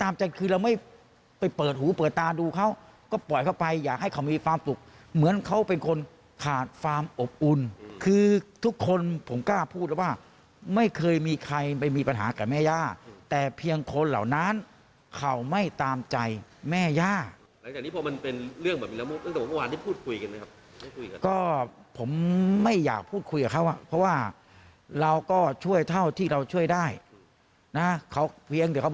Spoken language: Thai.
เราไม่ไปเปิดหูเปิดตาดูเขาก็ปล่อยเข้าไปอยากให้เขามีความสุขเหมือนเขาเป็นคนขาดความอบอุ่นคือทุกคนผมกล้าพูดแล้วว่าไม่เคยมีใครไปมีปัญหากับแม่ย่าแต่เพียงคนเหล่านั้นเขาไม่ตามใจแม่ย่าหลังจากนี้พอมันเป็นเรื่องแบบนี้แล้วเมื่อวานได้พูดคุยกันเลยครับก็ผมไม่อยากพูดคุยกับเขาอ่ะเพราะว่าเราก็ช่วยเท่าที่เราช่วยได้นะเขาเพียงเดี๋ยวเขา